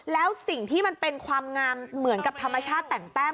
แล้วสิ่งที่มันเป็นความงามเหมือนกับธรรมชาติแต่งแต้ม